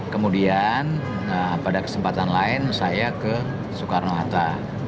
kemudian pada kesempatan lain saya ke soekarno hatta